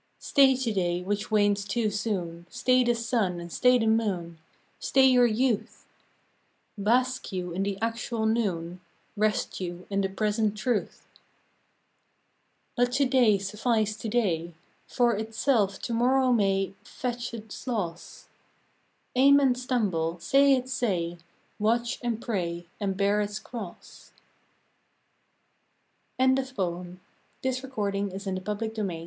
Stay to day which wanes too soon, Stay the sun and stay the moon, Stay your youth ; Bask you in the actual noon, Rest you in the present truth. Let to day suffice to day: For itself to morrow may Fetch its loss; Aim and stumble, say its say, Watch and pray and bear its cross.